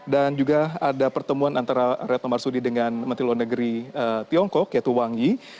dan juga ada pertemuan antara retno marsudi dengan menteri luar negeri tiongkok yaitu wang yi